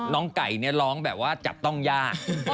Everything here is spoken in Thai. น้องไก่ร้องแบบว่าจับต้องย่า